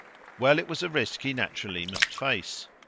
Well, it was a risk he naturally must face.